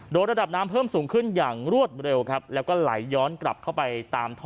โดยระดับน้ำเพิ่มสูงขึ้นอย่างรวดเร็วครับแล้วก็ไหลย้อนกลับเข้าไปตามท่อ